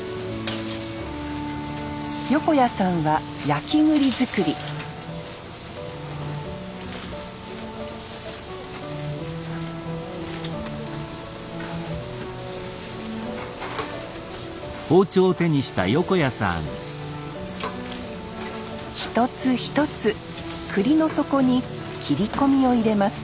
横家さんは焼き栗作り一つ一つ栗の底に切り込みを入れます